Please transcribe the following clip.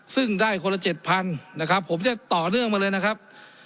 ซึ่งได้คนละ๗๐๐นะครับผมจะต่อเนื่องมาเลยนะครับ